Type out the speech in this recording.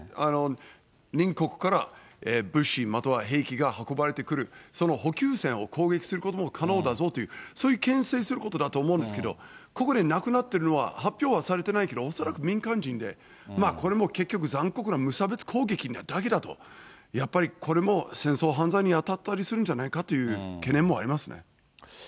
隣国から物資、または兵器が運ばれてくる、その補給線を攻撃することも可能だぞという、そういうけん制することだと思うんですけど、ここで亡くなっているのは、発表はされてないけど、恐らく民間人でこれも結局、残酷な無差別攻撃なだけだと、やっぱりこれも戦争犯罪に当たったりするんじゃないかという懸念